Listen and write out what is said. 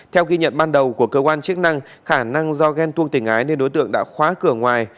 theo ghi nhận ban đầu của cơ quan chức năng khả năng do ghen tuông tình ái nên đối tượng đã khóa cửa ngoài